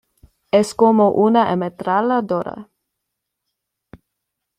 Es como una ametralladora.